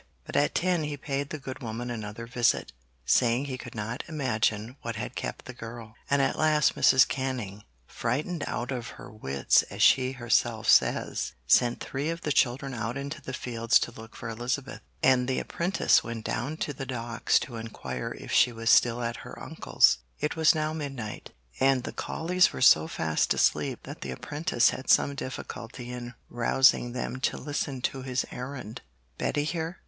But at ten he paid the good woman another visit, saying he could not imagine what had kept the girl; and at last Mrs. Canning, 'frightened out of her wits' as she herself says, sent three of the children out into the fields to look for Elizabeth, and the apprentice went down to the Docks to inquire if she was still at her uncle's. It was now midnight, and the Colleys were so fast asleep that the apprentice had some difficulty in rousing them to listen to his errand. 'Betty here?'